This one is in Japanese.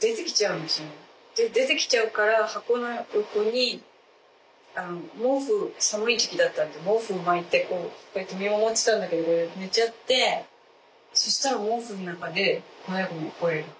で出てきちゃうから箱の横にあの毛布寒い時期だったので毛布巻いてこうやって見守ってたんだけど寝ちゃってそしたら毛布の中で子猫の声が。